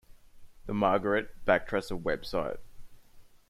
"The Margaret Baxtresser web site"